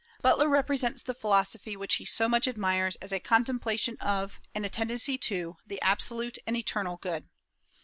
Butler represents the philosophy which he so much admires as a contemplation of, and a tendency to, the absolute and eternal good.